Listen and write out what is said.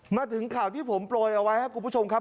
มาถึงข่าวที่ผมโปรยเอาไว้ครับคุณผู้ชมครับ